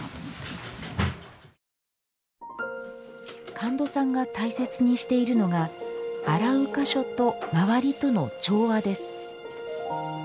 神門さんが大切にしているのが洗う箇所と周りとの調和です。